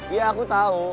iya aku tahu